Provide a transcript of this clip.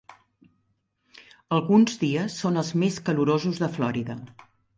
Alguns dies són els més calorosos de Florida.